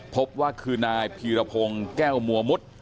พบว่าคือนายพีรพงศ์แก้วมัวมุด